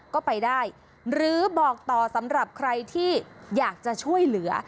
ก็ไปได้หรือบอกต่อสำหรับใครที่อยากจะช่วยเหลือ